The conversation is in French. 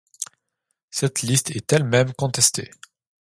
Cette liste est elle-même contestée.